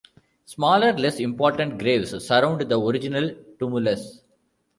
Smaller less important graves surround the original tumulus.